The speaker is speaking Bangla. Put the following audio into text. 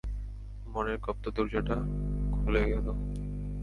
মনের গুপ্ত দরজাটা খুলে গেল!